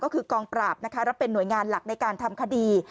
ก็คือกองปราบนะคะและเป็นหน่วยงานหลักในการทำคดี